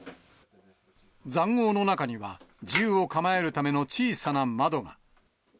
ざんごうの中には、銃を構えるための小さな窓が。